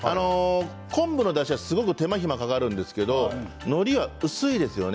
昆布のだしは手間暇がかかるんですけれどものりは薄いですよね。